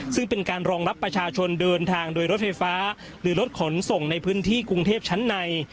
ซึ่งเป็นการรองรับประชาชนเดินทางโดยรถไฟฟ้าหรือรถขนส่งในพื้นที่กรุงเทพชั้นใน